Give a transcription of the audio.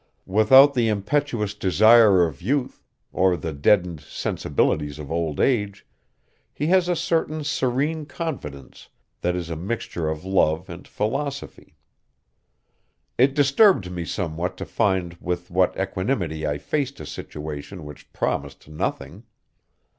Without the impetuous desire of youth, or the deadened sensibilities of old age, he has a certain serene confidence that is a mixture of love and philosophy. It disturbed me somewhat to find with what equanimity I faced a situation which promised nothing.